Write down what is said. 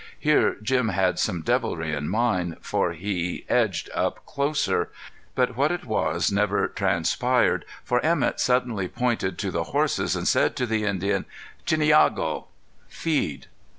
Here Jim had some deviltry in mind, for he edged up closer; but what it was never transpired, for Emett suddenly pointed to the horses and said to the Indian: "Chineago (feed)."